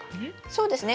そうですね。